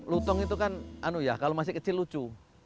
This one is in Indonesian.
lutung itu kan kalau masih kecil lucu